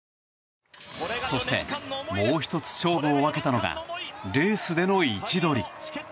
そしてもう１つ勝負を分けたのがレースでの位置取り。